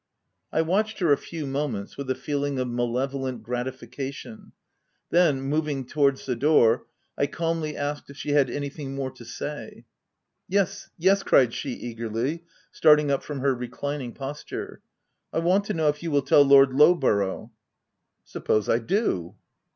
I watched her a few moments with a feeling of malevolent gratification; then, moving towards the door, I calmly asked if she had anything more to say. u Yes, yes!" cried she eagerly, starting up from her reclining posture. " I want to know if you will tell Lord Lowborough?" " Suppose I do